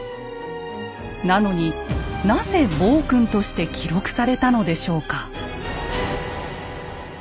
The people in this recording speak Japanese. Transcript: なのになぜ暴君として記録されたのでしょうか？